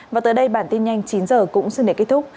và tới đây bản tin nhanh chín h cũng xin để kết thúc